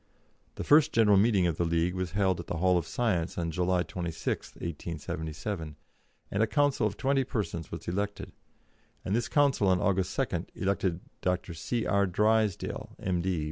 The first general meeting of the League was held at the Hall of Science on July 26, 1877, and a council of twenty persons was elected, and this council on August 2nd elected Dr. C.R. Drysdale, M.D.